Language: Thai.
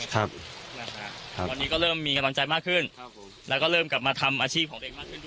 ครับครับตอนนี้ก็เริ่มมีกระดำใจมากขึ้นครับผมแล้วก็เริ่มกลับมาทำอาชีพของเด็กมากขึ้นด้วย